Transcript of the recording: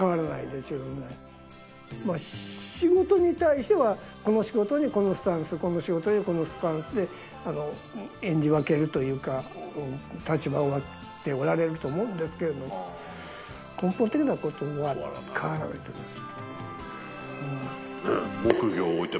仕事に対してはこの仕事にこのスタンスこの仕事にはこのスタンスで演じ分けるというか立ち回っておられると思うんですけれど根本的な事は変わらないと思います。